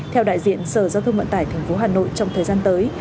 theo đại diện sở giao thông vận tải tp hà nội trong thời gian tới